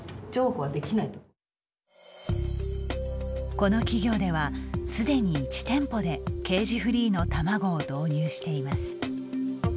この企業では既に１店舗でケージフリーの卵を導入しています。